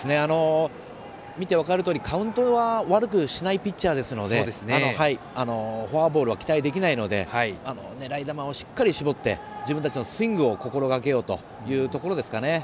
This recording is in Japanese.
見て分かるとおりカウントは悪くしないピッチャーですのでフォアボールは期待できないので狙い球をしっかり絞って自分たちのスイングを心がけようというところですね。